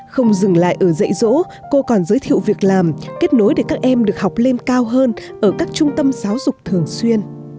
không dừng lại ở dạy dỗ cô còn giới thiệu việc làm kết nối để các em được học lên cao hơn ở các trung tâm giáo dục thường xuyên